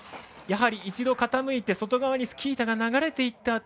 やはり一度傾いて外側にスキー板が流れた